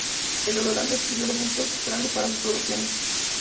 El Eurodance adquirió elementos trance para sus producciones.